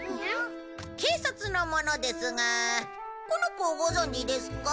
警察の者ですがこの子ご存じですか？